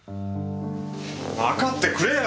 わかってくれよ！